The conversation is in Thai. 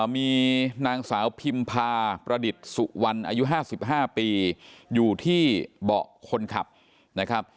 มีนางสาวพิมพาประดิษฐ์สุวรรณอายุ๕๕ปีอยู่ที่เบาะคนขับนะครับ